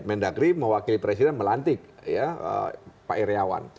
mendagri mewakili presiden melantik pak iryawan